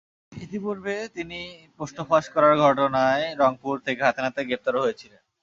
ইতিপূর্বে তিনি প্রশ্ন ফাঁস করার ঘটনায় রংপুর থেকে হাতেনাতে গ্রেপ্তারও হয়েছিলেন।